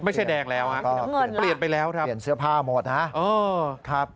ไม่ใช่แดงแล้วฮะเปลี่ยนไปแล้วครับเปลี่ยนเสื้อผ้าหมดนะครับ